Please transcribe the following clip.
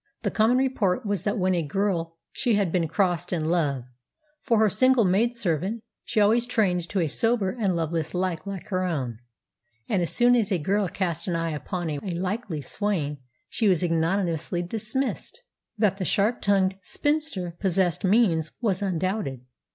The common report was that when a girl she had been "crossed in love," for her single maidservant she always trained to a sober and loveless life like her own, and as soon as a girl cast an eye upon a likely swain she was ignominiously dismissed. That the sharp tongued spinster possessed means was undoubted.